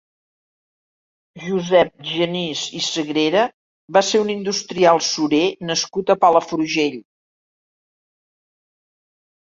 Josep Genís i Sagrera va ser un industrial surer nascut a Palafrugell.